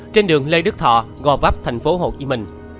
trên đường lê đức thọ gò vắp tp hcm